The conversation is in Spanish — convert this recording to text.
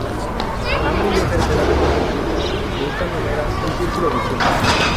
Hambre y enfermedad constituyen, de esta manera, un círculo vicioso.